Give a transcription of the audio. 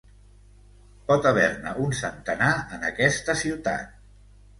Pot haver-ne un centenar en aquesta ciutat...